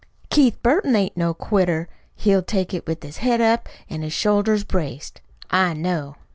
Keith Burton ain't no quitter. He'll take it with his head up an' his shoulders braced. I know.